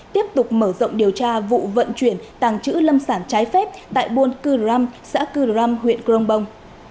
tiếp tục mở rộng điều tra vụ vận chuyển tàng chữ lâm sản trái phép tại buôn cư ram xã cư ram huyện crong bông